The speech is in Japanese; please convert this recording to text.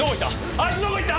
あいつどこ行った！？